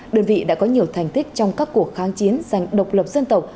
đơn vị đã có nhiều thành tích trong các cuộc kháng chiến dành độc lập dân tộc